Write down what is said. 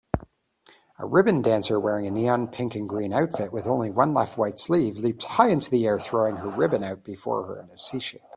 A ribbon dancer wearing a neon pink and green outfit with only one left white sleeve leaps high into the air throwing her ribbon out before her in a c shape